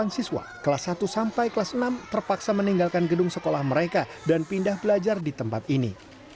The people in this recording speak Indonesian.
delapan siswa kelas satu sampai kelas enam terpaksa meninggalkan gedung sekolah mereka dan pindah belajar di tempat ini